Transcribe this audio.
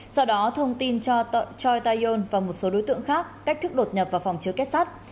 sau đó thông tin cho choi tae yol và một số đối tượng khác cách thức đột nhập vào phòng chứa kết sát